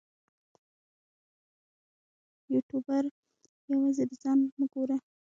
یوټوبر یوازې د ځان مه ګوري.